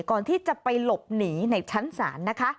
ก่อนที่จะไปหลบหนีในชั้นศาลนะคะ